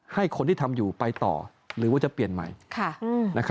ให้คนที่ทำอยู่ไปต่อหรือว่าจะเปลี่ยนใหม่